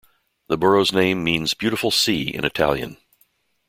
The borough's name means "beautiful sea" in Italian.